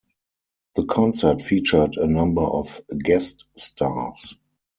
The concert featured a number of guest stars.